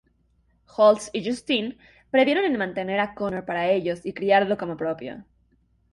Holtz y Justine previeron en mantener a Connor para ellos y criarlo como propio.